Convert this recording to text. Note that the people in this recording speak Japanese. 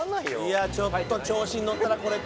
いやちょっと調子にのったらこれか。